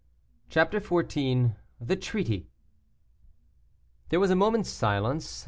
CHAPTER XIV. THE TREATY. There was a moment's silence.